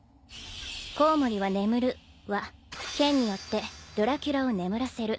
「蝙蝠は眠る」は剣によってドラキュラを眠らせる。